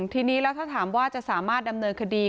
ทีนี้แล้วถ้าถามว่าจะสามารถดำเนินคดี